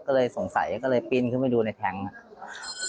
ก็เลยสงสัยก็เลยปีนขึ้นไปดูในแท็งค์